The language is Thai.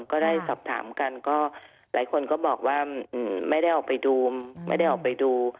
ก็ได้สอบถามกันก็หลายคนก็บอกว่าไม่ได้ออกไปดู